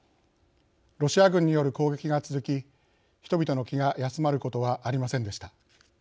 ロシア軍による攻撃が続き人々の気が休まることはありませんでした。